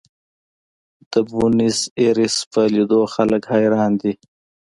د بونیس ایرس په لیدو خلک حیران دي.